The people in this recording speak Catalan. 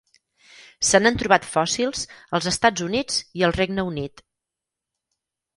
Se n'han trobat fòssils als Estats Units i el Regne Unit.